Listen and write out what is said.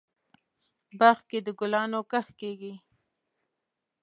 باغ کې دګلانو کښت کیږي